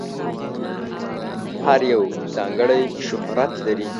هر یو ځانګړی شهرت لري.